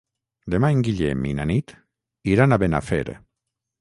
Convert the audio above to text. Demà en Guillem i na Nit iran a Benafer.